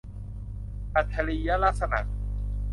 อัจฉริยลักษณะ